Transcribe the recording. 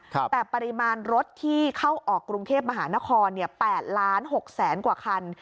แต่ปริมาณรถที่เข้าออกกรุงเทพมหานคร๘ล้านหกแสนกว่าคัน